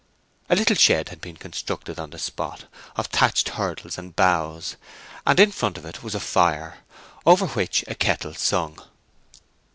A little shed had been constructed on the spot, of thatched hurdles and boughs, and in front of it was a fire, over which a kettle sung.